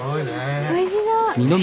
おいしそう！